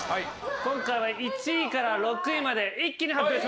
今回は１位から６位まで一気に発表します。